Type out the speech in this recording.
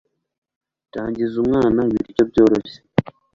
tangiza umwana ibiryo byoroshye